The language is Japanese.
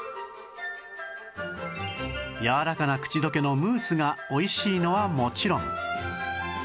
やわらかな口どけのムースが美味しいのはもちろん